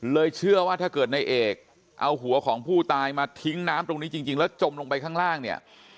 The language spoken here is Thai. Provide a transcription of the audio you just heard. เชื่อว่าถ้าเกิดในเอกเอาหัวของผู้ตายมาทิ้งน้ำตรงนี้จริงแล้วจมลงไปข้างล่างเนี่ย